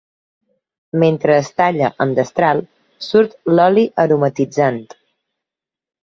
Mentre es talla amb destral surt l'oli aromatitzant.